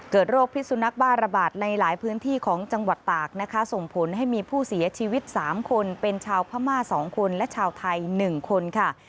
โรคพิสุนักบ้าระบาดในหลายพื้นที่ของจังหวัดตากนะคะส่งผลให้มีผู้เสียชีวิต๓คนเป็นชาวพม่า๒คนและชาวไทย๑คนค่ะ